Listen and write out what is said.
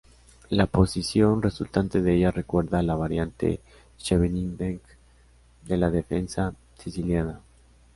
La posición resultante de ella recuerda a la variante Scheveningen de la defensa siciliana.